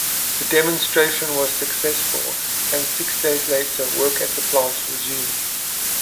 The demonstration was successful and six days later work at the plants resumed.